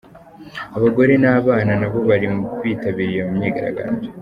Abagore n’abana nabo bari bitabiriye iyo myigaragambyo.